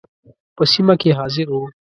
په سیمه کې حاضر وو.